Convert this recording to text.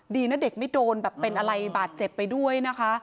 ดีนะเด็กไม่โดนแบบเป็นอะไรบาดเจ็บไปด้วยนะคะ